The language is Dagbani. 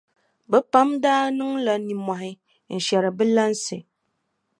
Bɛ pam daa niŋla nimmɔhi n-shɛri bɛ lansi.